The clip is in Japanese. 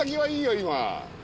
今。